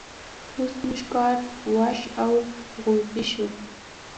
اوس موږ کار واښ او غوزی شو.